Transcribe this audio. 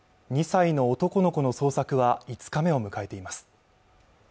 ２歳の男の子の捜索は５日目を迎えています